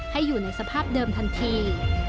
ให้อยู่ในสภาพเดิมทันที